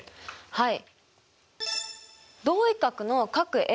はい。